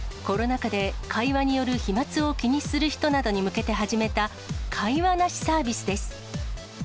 コロナ禍で会話による飛まつを気にする人などに向けて始めた会話なしサービスです。